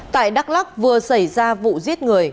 tại đắk lắk vừa xảy ra vụ giết người